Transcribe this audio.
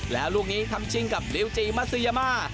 แล้วลูกนี้ทำชิงกับลิวจีมัสซียามา